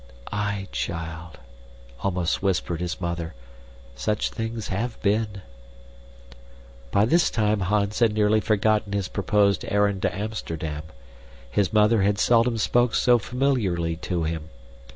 "Aye, child," almost whispered his mother, "such things have been." By this time Hans had nearly forgotten his proposed errand to Amsterdam. His mother had seldom spoken so familiarly to him.